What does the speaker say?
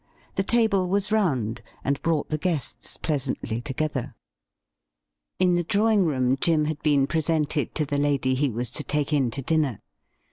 The table was round, and brought the guests pleasantly together. In the drawing room Jim had been presented to the lady he was to take in to dinner.